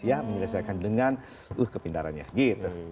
ya menyelesaikan dengan kepintarannya gitu